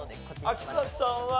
秋川さんは？